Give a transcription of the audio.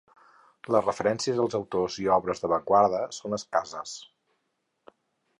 Les referències als autors i obres d'avantguarda són escasses.